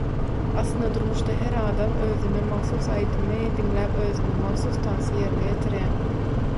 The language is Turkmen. Aslynda durmuşda her adam özüne mahsus aýdymy diňläp özüne mahsus tansy ýerine ýetirýär.